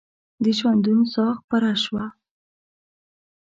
د ژوندون ساه خپره شوه